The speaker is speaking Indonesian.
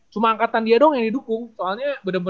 cuma angkatan dia doang yang didukung soalnya bener bener